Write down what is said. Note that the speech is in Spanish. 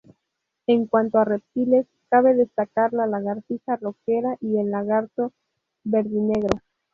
En cuanto a reptiles, cabe destacar la lagartija roquera o el lagarto verdinegro.